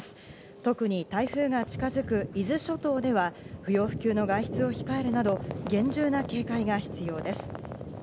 特に台風が近づく伊豆諸島では不要不急の外出を控えるなど、厳重な警戒が必要です。